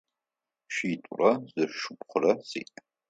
Шитӏурэ зы шыпхъурэ сиӏ.